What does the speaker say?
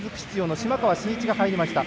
島川慎一が入りました。